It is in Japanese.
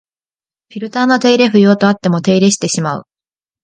フィルターの手入れ不要とあっても手入れしてしまう